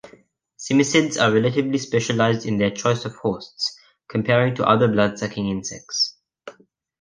Cimicids are relatively specialized in their choice of hosts, compared to other bloodsucking insects.